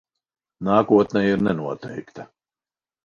Nākotne ir nenoteikta.